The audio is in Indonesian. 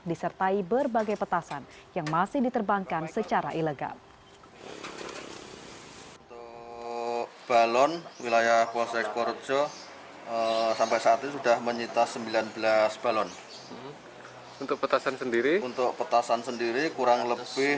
disertai berbagai petasan yang masih diterbangkan secara ilegal